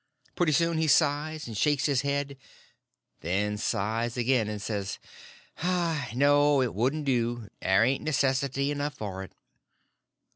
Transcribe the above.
Pretty soon he sighs and shakes his head; then sighs again, and says: "No, it wouldn't do—there ain't necessity enough for it."